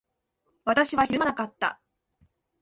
私はひるまなかった。